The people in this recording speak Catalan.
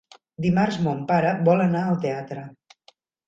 Dimarts mon pare vol anar al teatre.